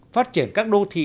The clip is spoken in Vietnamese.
phát triển các đô thị